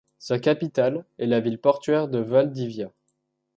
Sa capitale est la ville portuaire de Valdivia.